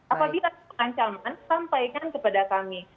apabila ada ancaman sampaikan kepada kami